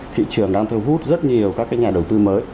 thị trường đang thu hút rất nhiều các nhà đầu tư mới